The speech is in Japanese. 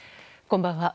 こんばんは。